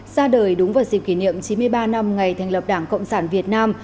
ra đời đúng vào dịp kỷ niệm chín mươi ba năm ngày thành lập đảng cộng sản việt nam